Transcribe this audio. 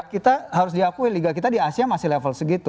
kita harus diakui liga kita di asia masih level segitu